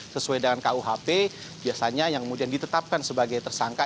sesuai dengan kuhp biasanya yang kemudian ditetapkan sebagai tersangka